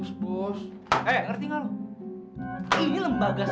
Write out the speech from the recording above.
ini lembaga sosial